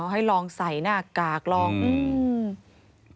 ให้ลองใส่หน้ากากลองอืม